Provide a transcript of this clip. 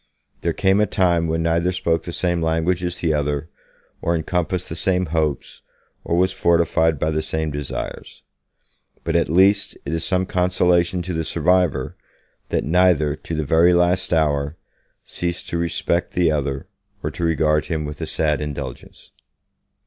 There came a time when neither spoke the same language as the other, or encompassed the same hopes, or was fortified by the same desires. But, at least, it is some consolation to the survivor, that neither, to the very last hour, ceased to respect the other, or to regard him with a sad indulgence.